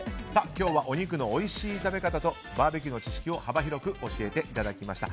今日はお肉のおいしい食べ方とバーベキューの知識を幅広く教えていただきました。